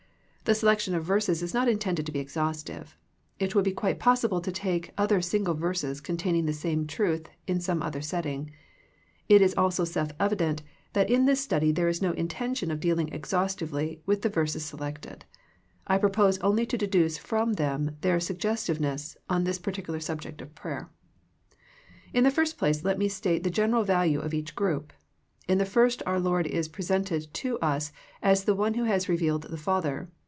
The selection of verses is not intended to be exhaustive. It would be quite possible to take other single verses containing the same truth in some other setting. It is also self evi dent that in this study there is no intention of dealing exhaustively with the verses selected. I propose only to deduce from thera their sugges tiveness on this particular subject of prayer. In the first place let me state the general value of each group. In the first our Lord is presented to us as the One who has revealed the Father.